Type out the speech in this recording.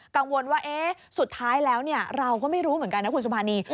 กังวลว่าสุดท้ายแล้วเราก็ไม่รู้เหมือนกันนะคุณสุภานี